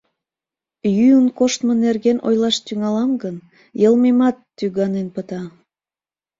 Йӱын коштмо нерген ойлаш тӱҥалам гын, йылмемат тӱганен пыта.